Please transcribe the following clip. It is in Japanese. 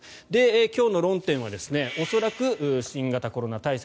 今日の論点は恐らく新型コロナ対策